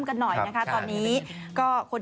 ไม่เหงาหรอก